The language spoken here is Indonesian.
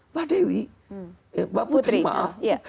mbak dewi mbak putri maaf